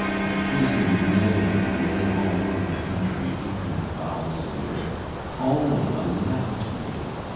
The prisoned millions lay all over the country, deep in the bowels of the earth, calling aloud to me!